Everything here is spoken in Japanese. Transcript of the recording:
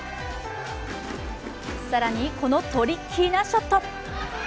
更にこのトリッキーなショット。